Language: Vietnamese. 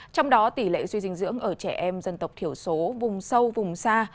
trong đó tỷ lệ suy dinh dưỡng ở trẻ em dân tộc thiểu số vùng sâu vùng xa